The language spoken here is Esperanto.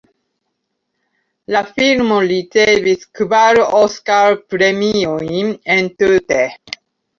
La filmo ricevis kvar Oskar-premiojn entute.